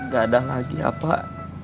gak ada lagi ya pak